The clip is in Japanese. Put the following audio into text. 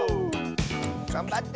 がんばって！